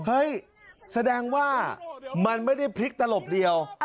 แสดงว่ามันไม่ได้พลิกตลบเดียว